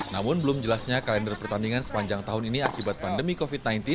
namun belum jelasnya kalender pertandingan sepanjang tahun ini akibat pandemi covid sembilan belas